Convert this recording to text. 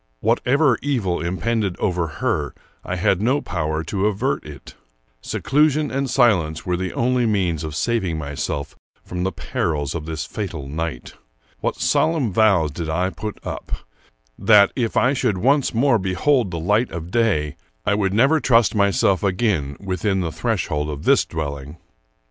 Whatever evil impended over her, I had no power to avert it. Seclusion and silence were the only means of saving myself from the perils of this fatal night. What solemn vows did I put up, that, if I should once more behold the light of day, I would never trust myself again within the threshold of this dwelling!